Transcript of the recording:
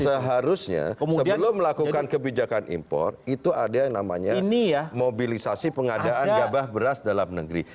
seharusnya sebelum melakukan kebijakan impor itu ada yang namanya mobilisasi pengadaan gabah beras dalam negeri